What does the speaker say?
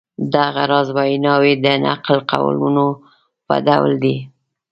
دغه راز ویناوی د نقل قولونو په ډول دي.